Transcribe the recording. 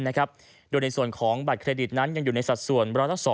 โดยในส่วนของบัตรเครดิตนั้นยังอยู่ในสัดส่วน๑๐๒